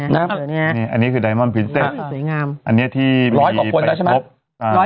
เนี้ยฮะเนี้ยอันนี้คือสวยงามอันนี้ที่ร้อยกว่าคนแล้วใช่ไหมอ่า